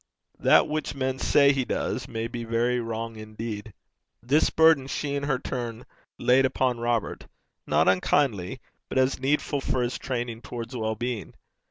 That which men say he does may be very wrong indeed. This burden she in her turn laid upon Robert not unkindly, but as needful for his training towards well being.